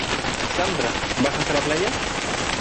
Sandra, ¿bajas a la playa?